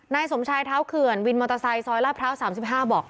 นายสมชายเท้าเขื่อนวินมอเตอร์ไซด์ซอยราบเท้าสามสิบห้าบอก